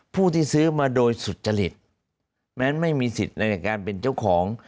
ผู้ที่ซื้อมาโดยสุจริตแม้ไม่มีสิทธิ์ในการเป็นเจ้าของ